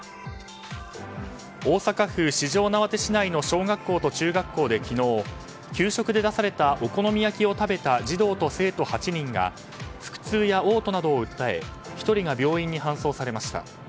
大阪府四條畷市内の小学校と中学校で昨日給食で出されたお好み焼きを食べた児童と生徒８人が腹痛や嘔吐などを訴え１人が病院に搬送されました。